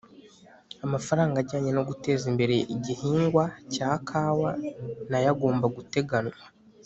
amafaranga ajyanye no guteza imbere igihingwa cya kawa nayo agomba guteganywa.